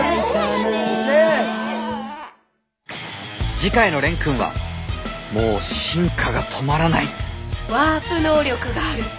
次回の蓮くんはもう進化が止まらないワープ能力がある？